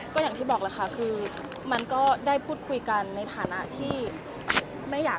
ก็อย่างที่บอกแหละค่ะคือมันก็ได้พูดคุยกันในฐานะที่ไม่อยาก